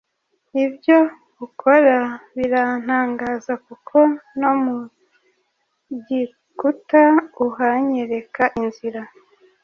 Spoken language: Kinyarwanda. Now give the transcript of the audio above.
ibyo ukora birantangaza kuko nomu gikuta uhanyereka inzira